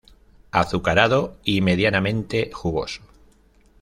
Azucarado y medianamente jugoso.